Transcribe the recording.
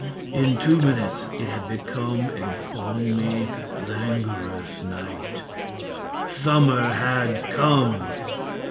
In two minutes it had become a balmy, languorous night. Summer had come!